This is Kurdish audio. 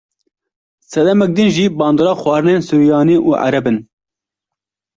Sedemek din jî bandora xwarinên suryanî û ereb in.